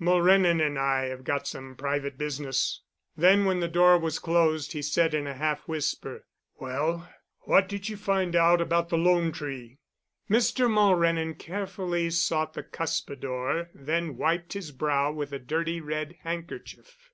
Mulrennan and I have got some private business." Then, when the door was closed, he said in a half whisper, "Well? What did you find out about the 'Lone Tree'?" Mr. Mulrennan carefully sought the cuspidor, then wiped his brow with a dirty red handkerchief.